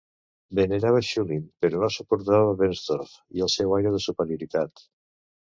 Venerava Schulin, però no suportava Bernstorff i el seu aire de superioritat.